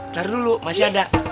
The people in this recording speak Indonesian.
taruh dulu masih ada